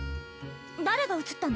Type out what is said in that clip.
誰が映ったの？